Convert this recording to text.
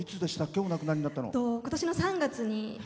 今年の３月に。